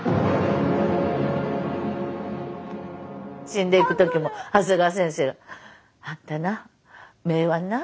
死んでいく時も長谷川先生があんたな目はな